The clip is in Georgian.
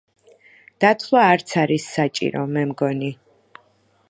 დათვლა არც არის საჭირო, მე მგონი.